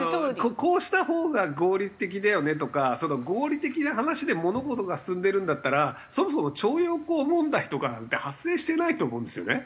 こうしたほうが合理的だよねとかその合理的な話で物事が進んでるんだったらそもそも徴用工問題とかなんて発生してないと思うんですよね。